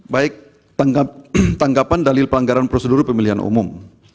baik tanggapan dalil pelanggaran prosedur pemilihan umum